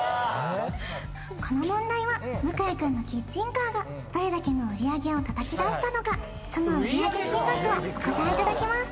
この問題は向井くんのキッチンカーがどれだけの売上をたたき出したのかその売上金額をお答えいただきます